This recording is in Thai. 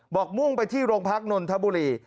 มุ่งไปที่โรงพักนนทบุรี